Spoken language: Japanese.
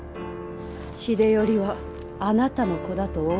秀頼はあなたの子だとお思い？